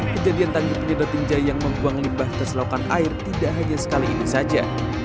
kejadian tangki penyedotin jayang membuang limbah terselokan air tidak hanya sekali ini saja